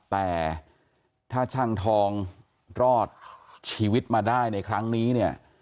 แต่ถ้าช่างทองรอดชีวิตมาได้ในครั้งนี้เนี่ย